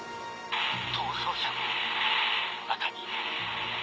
逃走者の中に。